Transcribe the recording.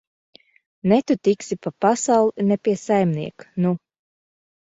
Ne tu tiksi pa pasauli, ne pie saimnieka, nu!